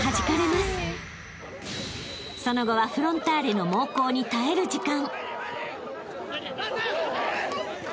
［その後はフロンターレの猛攻に耐える時間］